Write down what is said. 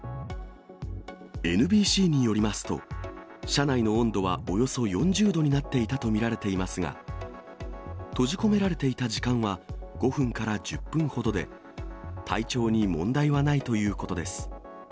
ＮＢＣによりますと、車内の温度はおよそ４０度になっていたと見られていますが、閉じ込められていた時間は５分から１０分ほどで、体調に問題はないということです。